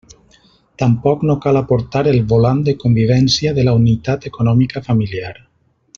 Tampoc no cal aportar el volant de convivència de la unitat econòmica familiar.